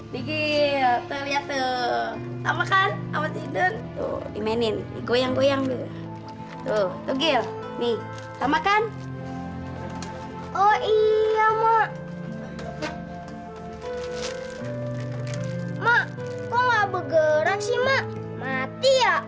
nih gile sama kan sama kan iya mak mak kok nggak bergerak sih mak mati ya